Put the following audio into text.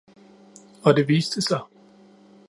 Og det viste sig